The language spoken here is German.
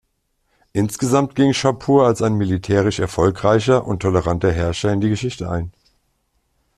Insgesamt ging Schapur als ein militärisch erfolgreicher und toleranter Herrscher in die Geschichte ein.